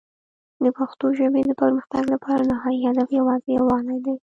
د پښتو ژبې د پرمختګ لپاره نهایي هدف یوازې یووالی دی.